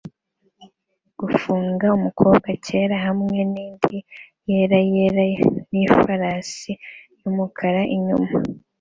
Gufunga umukobwa cyera hamwe nindi yera yera nifarasi yumukara inyuma